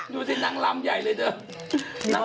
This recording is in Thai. ดูสินางลำใหญ่เลยเถอะ